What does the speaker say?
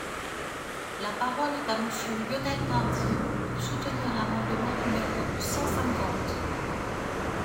La parole est à Monsieur Lionel Tardy, pour soutenir l’amendement numéro cent cinquante.